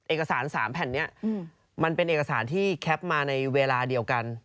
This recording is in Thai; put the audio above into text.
เอกสาร๓แผ่นนี้มันเป็นเอกสารที่แคปมาในเวลาเดียวกัน